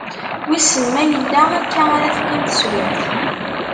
Wissen ma yella akka ara teqqim teswiɛt.